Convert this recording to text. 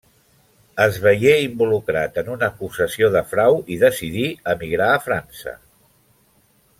Es veié involucrat en una acusació de frau i decidí emigrar a França.